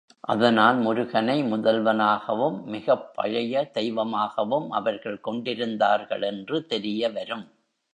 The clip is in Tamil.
அதனால் முருகனை முதல்வனாகவும் மிகப் பழைய தெய்வமாகவும் அவர்கள் கொண்டிருந்தார்கள் என்று தெரியவரும்.